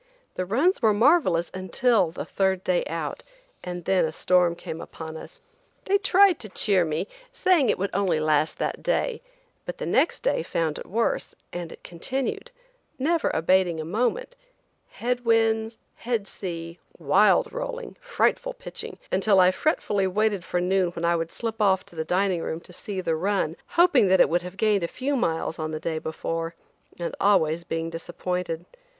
The runs were marvelous until the third day out, and then a storm came upon us. They tried to cheer me, saying it would only last that day, but the next day found it worse, and it continued, never abating a moment; head winds, head sea, wild rolling, frightful pitching, until I fretfully waited for noon when I would slip off to the dining room to see the run, hoping that it would have gained a few miles on the day before, and always being disappointed.